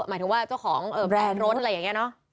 หมายถึงว่าเจ้าของแบรนด์รถอะไรอย่างนี้เนอะ